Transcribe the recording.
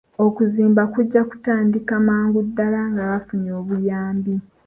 Okuzimba kujja kutandika amangu ddaala nga bafunye obuyambi.